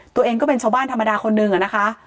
ตัวเองก็เป็นชาวบ้านธรรมดาคนนึงอะนะคะ